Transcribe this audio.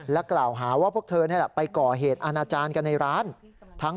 กล่าวหาว่าพวกเธอนี่แหละไปก่อเหตุอาณาจารย์กันในร้าน